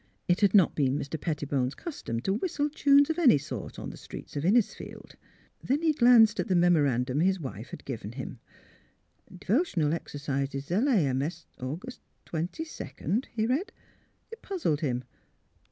It had not been Mr, Pettibone 's custom to whistle tunes of any sort on the streets of Innisfield. Then he glanced at the memorandum his wife had given him. '' Dev. Exercises L. A. M. S. Aug. 22," he read. It puzzled him.